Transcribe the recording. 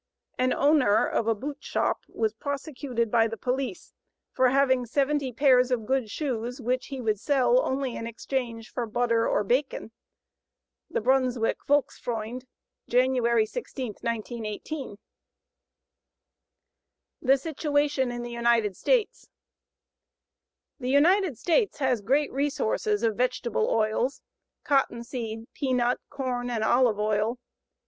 An owner of a boot shop was prosecuted by the police for having 70 pairs of good shoes which he would sell only in exchange for butter or bacon. (Brunswick Volksfreund, January 16, 1918.) THE SITUATION IN THE UNITED STATES The United States has great resources of vegetable oils, cottonseed, peanut, corn, and olive oil.